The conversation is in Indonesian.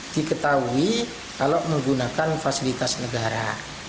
diketahui kalau menggunakan fasilitas negara